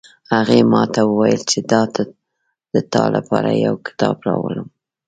هغې ماته وویل چې د تا د پاره یو کتاب راوړم